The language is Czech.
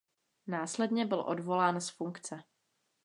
Následně byl odvolán z funkce.